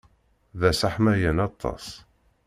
D ass aḥmayan aṭas.